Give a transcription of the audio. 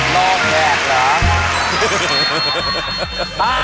รอบแยกละ